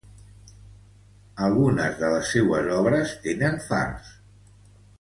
Algunes de les seues obres tenen fars.